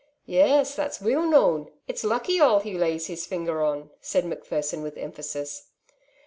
" Yes, that's weel known : it's lucky all he lays his finger on," said Macpherson with emphasis.